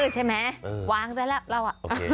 ใช่ไหมวางได้แล้ว